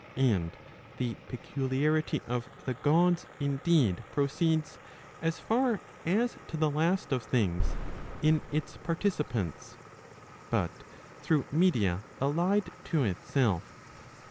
And the peculiarity of the Gods indeed proceeds, as far as to the last of things, in its partici¬ pants ; but through media allied to itself.